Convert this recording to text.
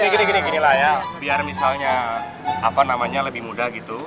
tapi gini gini lah ya biar misalnya apa namanya lebih mudah gitu